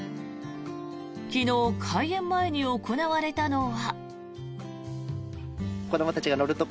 昨日、開園前に行われたのは。